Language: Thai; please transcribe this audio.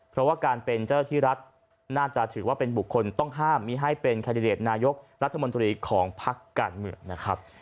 เพราะว่าการเป็นเจ้าที่รัฐน่าจะถือว่าเป็นบุคคลต้องห้ามมีให้เป็นแคนดิเดตนายกรัฐมนตรีของพักการเมืองนะครับ